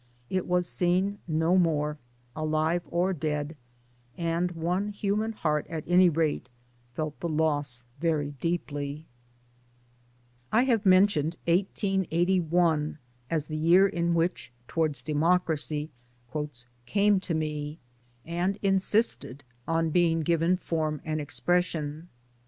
It was seen no more, alive or dead ; and one human heart at any rate felt the loss very deeply. I have mentioned 1881 as the year in which 1 Towards Democracy ' came to me,' and insisted 240 MY DAYS AND DREAMS on being given form and expression.